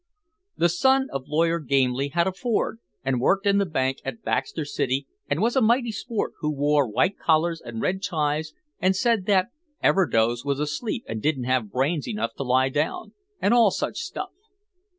The son of Lawyer Gamely had a Ford and worked in the bank at Baxter City and was a mighty sport who wore white collars and red ties and said that "Everdoze was asleep and didn't have brains enough to lie down," and all such stuff.